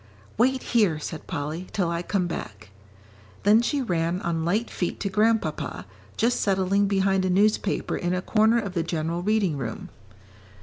"Wait here," said Polly, "till I come back." Then she ran on light feet to Grandpapa, just settling behind a newspaper in a corner of the general reading room.